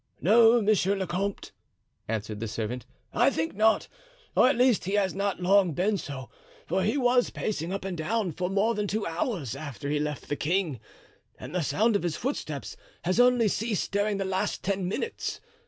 "No, monsieur le comte," answered the servant, "I think not; or at least he has not long been so, for he was pacing up and down for more than two hours after he left the king, and the sound of his footsteps has only ceased during the last ten minutes.